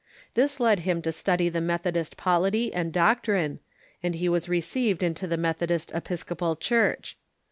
This led him to study the Methodist polity and doctrine, and lie Avas received into the Metliodist Episcopal Church.